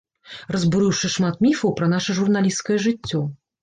Разбурыўшы шмат міфаў пра наша журналісцкае жыццё.